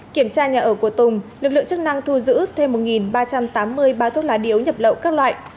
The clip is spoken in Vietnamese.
kiểm tra nhà ở của tùng lực lượng chức năng thu giữ thêm một ba trăm tám mươi bao thuốc lá điếu nhập lậu các loại